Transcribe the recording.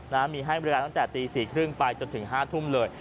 นะฮะมีให้บริการตั้งแต่ตีสี่ครึ่งไปจนถึงห้าทุ่มเลย